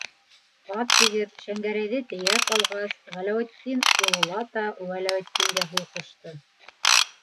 Ат егеп, Шәңгәрәйҙе тейәп алғас, Ғәләүетдин, ололата, Вәләүетдингә һүҙ ҡушты: